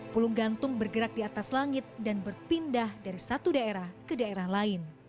pulung gantung bergerak di atas langit dan berpindah dari satu daerah ke daerah lain